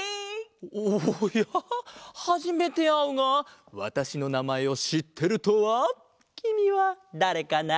はじめてあうがわたしのなまえをしってるとはきみはだれかな？